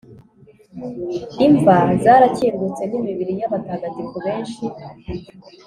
imva zarakingutse n’imibiri y’abatagatifu benshi